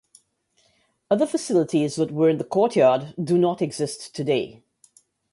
Other facilities that were in the courtyard do not exist today.